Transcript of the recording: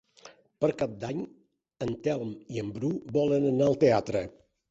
Per Cap d'Any en Telm i en Bru volen anar al teatre.